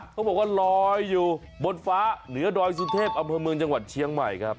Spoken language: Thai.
เขาบอกว่าลอยอยู่บนฟ้าเหนือดอยสุเทพอำเภอเมืองจังหวัดเชียงใหม่ครับ